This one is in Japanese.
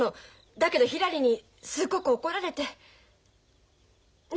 だけどひらりにすっごく怒られて。ね！